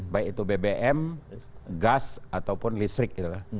baik itu bbm gas ataupun listrik